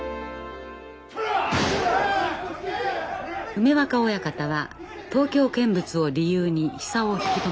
梅若親方は東京見物を理由に久男を引き止めました。